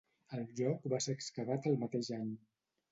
El lloc va ser excavat el mateix any.